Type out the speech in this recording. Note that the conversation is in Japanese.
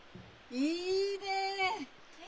いいねえ。